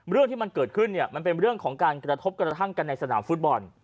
เรื่องที่มันเกิดขึ้นเนี่ยมันเป็นเรื่องของการกระทบกระทั่งกันในสนามฟุตบอล